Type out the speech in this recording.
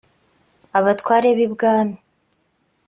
abatware b’ibwami